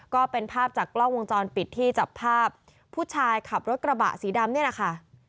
ก็เป็นภาพจากกล้องวงจรปิดที่จับภาพผู้ชายขับรถกระบะสีดำนี่แหละค่ะ